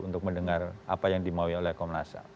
untuk mendengar apa yang dimaui oleh komnas ham